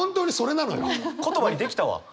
言葉にできたわ！